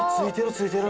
付いてる！